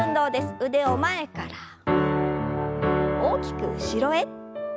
腕を前から大きく後ろへ。